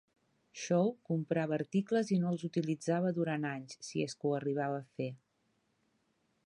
Shawn comprava articles i no els utilitzava durant anys, si és que ho arribava a fer.